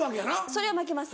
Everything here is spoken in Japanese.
それは負けます。